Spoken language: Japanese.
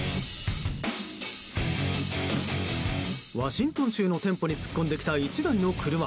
ワシントン州の店舗に突っ込んできた１台の車。